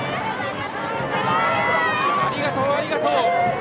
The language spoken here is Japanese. ありがとう、ありがとう。